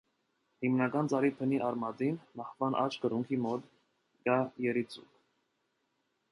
Հիմնական ծառի բնի արմատին՝ մահվան աջ կրունկի մոտ, կա երիցուկ։